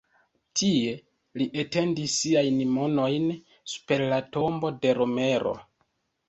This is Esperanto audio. Tie li etendis siajn manojn super la tombo de Romero.